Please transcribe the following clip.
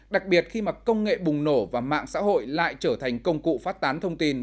đặc biệt khi mà công nghệ bùng nổ và mạng xã hội lại trở thành công cụ phát tán thông tin